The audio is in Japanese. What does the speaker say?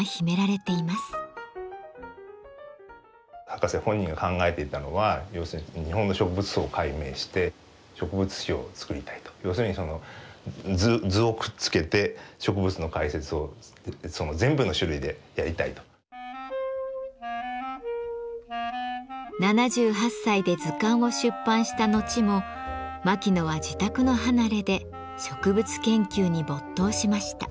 博士本人が考えていたのは要するに７８歳で図鑑を出版した後も牧野は自宅の離れで植物研究に没頭しました。